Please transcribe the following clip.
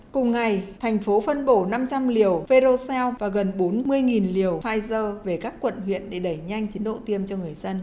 cùng ngày thành phố phân bổ năm trăm linh liều verocell và gần bốn mươi liều pfizer về các quận huyện để đẩy nhanh tiến độ tiêm cho người dân